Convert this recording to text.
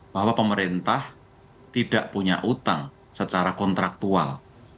bahwa pemerintah tidak punya utang secara kontraktual